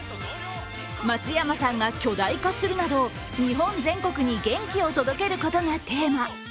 松山さんが巨大化するなど日本全国に元気を届けることがテーマ。